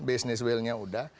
business willnya udah